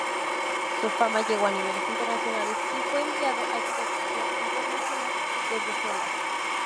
Su fama llegó a niveles internacionales y fue enviado a Exposición Internacional de Bruselas.